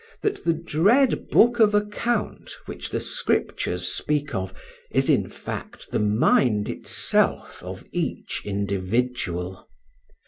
that the dread book of account which the Scriptures speak of is in fact the mind itself of each individual.